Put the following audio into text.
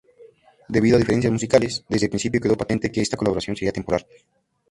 Debido a diferencias musicales, desde el principio quedó patente que esta colaboración sería temporal.